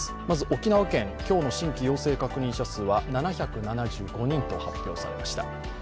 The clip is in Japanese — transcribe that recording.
まず沖縄県、今日の新規陽性確認者数は７７５人と発表されました。